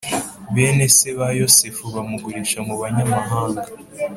Bene se ba Yosefu bamugurisha mu banyamahanga